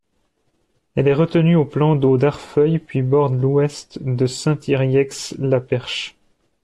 Elle est retenue au plan d'eau d'Arfeuille puis borde l'ouest de Saint-Yrieix-la-Perche.